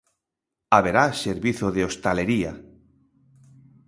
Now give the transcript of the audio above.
Haberá servizo de hostalería.